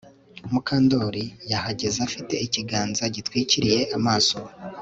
Mukandoli yahagaze afite ikiganza gitwikiriye amaso